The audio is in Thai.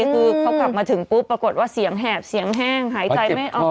คือเขากลับมาถึงปุ๊บปรากฏว่าเสียงแหบเสียงแห้งหายใจไม่ออก